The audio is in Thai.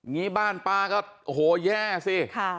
งี้บ้านป้าก็โหแย่สิค่ะ